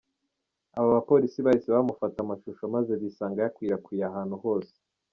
Aba bapolisi bahise bamufata amashusho maze bisanga yakwirakwiriye ahantu hose.